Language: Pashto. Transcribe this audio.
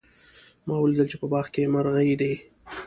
ما ولیدل چې په باغ کې مرغۍ دي